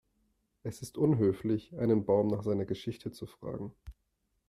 Es ist unhöflich, einen Baum nach seiner Geschichte zu fragen.